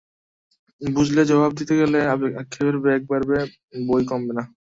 বুঝলে জবাব দিতে গেলে আক্ষেপের বেগ বাড়বে বৈ কমবে না।